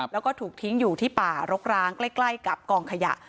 แล้วก็ถูกทิ้งอยู่ที่ป่ารกร้างใกล้กับกองขยะ